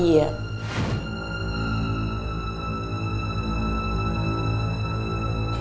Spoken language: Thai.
ดีมากครับ